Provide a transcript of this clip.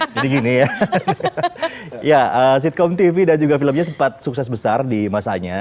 jadi gini ya ya sitkom tv dan juga filmnya sempat sukses besar di masanya